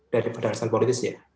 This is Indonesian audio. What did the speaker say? dari perharusan politis ya